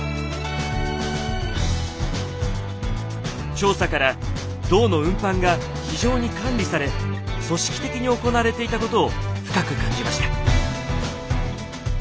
調査から銅の運搬が非常に管理され組織的に行われていたことを深く感じました。